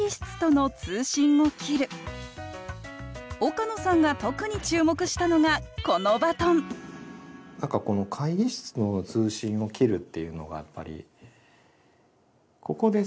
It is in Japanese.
岡野さんが特に注目したのがこのバトン何かこの「会議室の通信を切る」っていうのがやっぱり。